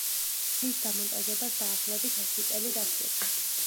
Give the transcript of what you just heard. მის დამონტაჟებას დაახლოებით ერთი წელი დასჭირდა.